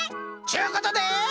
ちゅうことで。